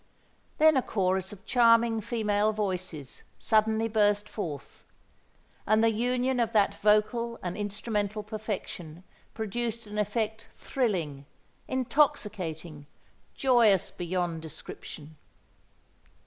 Then a chorus of charming female voices suddenly burst forth; and the union of that vocal and instrumental perfection produced an effect thrilling—intoxicating—joyous, beyond description.